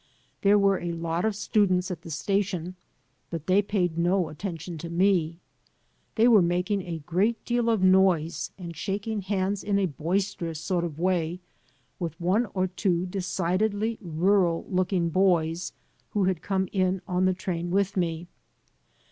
There were a lot of students at the station* but they paid no attention to me. They were making a great deal of noise and shaking hands in a boisterous sort of way with one or two decidedly rural looking boys who had come in on the train with me.